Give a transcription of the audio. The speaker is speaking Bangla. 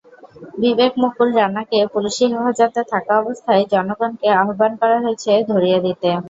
বিবেকমুকুল রানাকে পুলিশি হেফাজতে থাকা অবস্থায় জনগণকে আহ্বান করা হয়েছে ধরিয়ে দিতে।